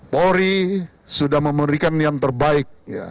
polri sudah memberikan yang terbaik